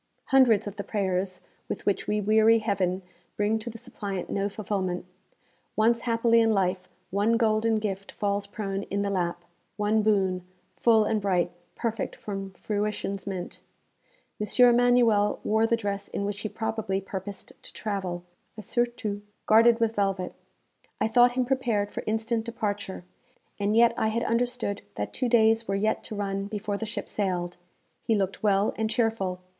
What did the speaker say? Hundreds of the prayers with which we weary Heaven bring to the suppliant no fulfilment. Once haply in life one golden gift falls prone in the lap one boon full and bright, perfect from Fruition's mint. M. Emanuel wore the dress in which he probably purposed to travel a surtout, guarded with velvet. I thought him prepared for instant departure, and yet I had understood that two days were yet to run before the ship sailed. He looked well and cheerful.